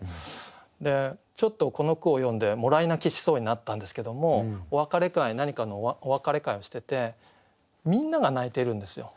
でちょっとこの句を読んでもらい泣きしそうになったんですけどもお別れ会何かのお別れ会をしててみんなが泣いてるんですよ。